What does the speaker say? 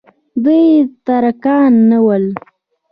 دوی ترکان نه ول.